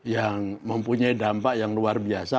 yang mempunyai dampak yang luar biasa